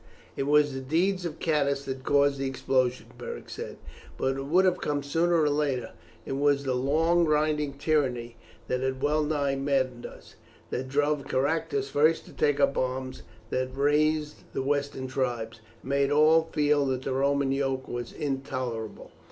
"It was the deeds of Catus that caused the explosion," Beric said; "but it would have come sooner or later. It was the long grinding tyranny that had well nigh maddened us, that drove Caractacus first to take up arms, that raised the western tribes, and made all feel that the Roman yoke was intolerable.